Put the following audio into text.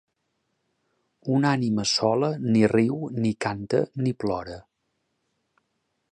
Una ànima sola ni riu, ni canta, ni plora.